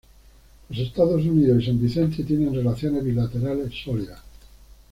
Los Estados Unidos y San Vicente tienen relaciones bilaterales sólidas.